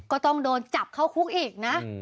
ก็ต้องโดนจับเข้าคุกอีกนะ